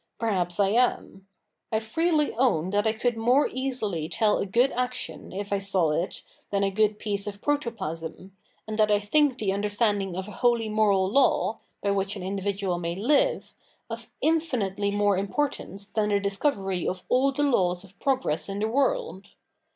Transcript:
Perhaps I am. I freely own that I could more easily tell a good action, if I saw it, than a good piece of protoplasm, and that I think the understanding of a holy moral law, by which an individual may live, of infinitely more import ance than the discovery of all the laws of progress in the world.